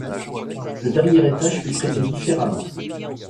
Le dernier étage fut traité différemment.